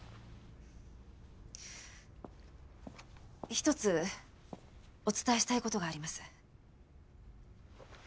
一つお伝えしたい事があります。